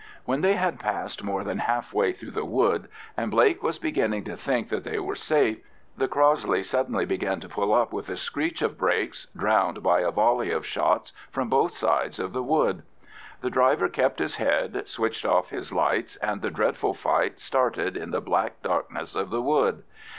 When they had passed more than half way through the wood, and Blake was beginning to think that they were safe, the Crossley suddenly began to pull up with a screech of brakes, drowned by a volley of shots from both sides of the wood. The driver kept his head, switched off his lights, and the dreadful fight started in the black darkness of the wood.